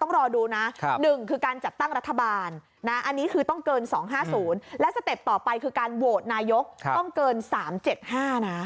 ต้องรอดูนะ๑คือการจัดตั้งรัฐบาลอันนี้คือต้องเกิน๒๕๐และสเต็ปต่อไปคือการโหวตนายกต้องเกิน๓๗๕นะ